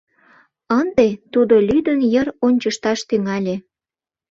Ынде тудо лӱдын йыр ончышташ тӱҥале.